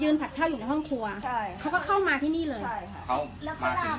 ใช่ค่ะเขามาที่นี่เข้ามาแล้วเขามาแล้ว